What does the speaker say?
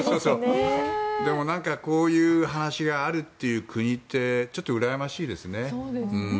でも、こういう話があるっていう国ってちょっとうらやましいですね。